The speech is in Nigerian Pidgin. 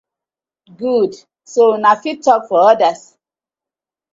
Good so una fit tok for others.